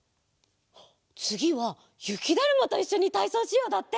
「つぎはゆきだるまといっしょにたいそうしよう！」だって。